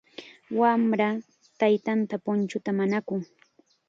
Wamra taytanta punchuta mañakun.